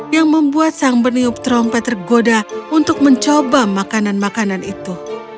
yang membuat sang peniup trompet tergoda untuk mencoba makanan makanan itu